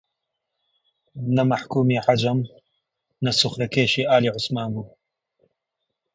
نە مەحکوومی عەجەم نە سوخرەکێشی ئالی عوسمان بوو